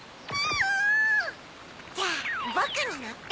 じゃあぼくにのって！